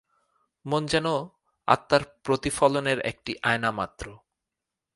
মন যেন আত্মার প্রতিফলনের একটি আয়না মাত্র।